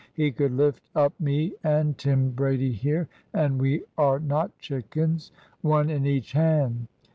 He could lift up me and Tim Brady here and we are not chickens one in each hand.